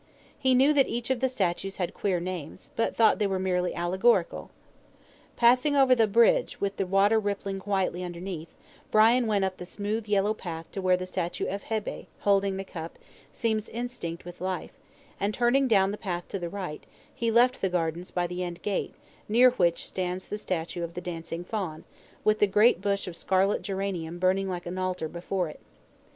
He knew that each of the statues had queer names, but thought they were merely allegorical. Passing over the bridge, with the water rippling quietly underneath, Brian went up the smooth yellow path to where the statue of Hebe, holding the cup, seems instinct with life; and turning down the path to the right, he left the gardens by the end gate, near which stands the statue of the Dancing Faun, with the great bush of scarlet geranium burning like an altar before it.